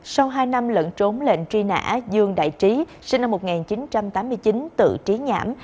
sau hai năm lận trốn lệnh truy nã dương đại trí sinh năm một nghìn chín trăm tám mươi chín tự trí nhãm